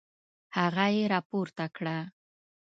هغه يې راپورته کړه.